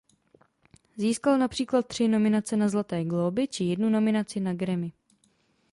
Získal například tři nominace na Zlaté glóby či jednu nominaci na Grammy.